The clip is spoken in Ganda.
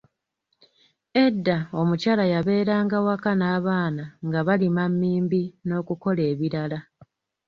Edda omukyala yabeeranga waka n’abaana nga balima mmimbi n'okukola ebirala.